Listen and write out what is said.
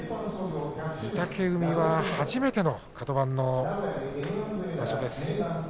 御嶽海は初めてのカド番の場所です。